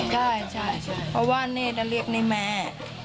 ใช่ใช่เพราะว่าเนี่ยจะเรียกในแม่